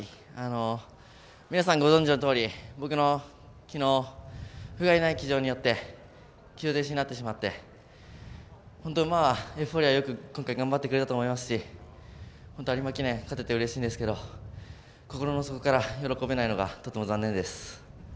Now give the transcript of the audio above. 皆さんご存じのとおり僕が、きのうふがいない騎乗によって騎乗停止になってしまって本当、馬はエフフォーリアは今回、よく頑張ってくれたと思いますし本当に有馬記念勝ててうれしいんですけど心の底から喜べないのがとても残念です。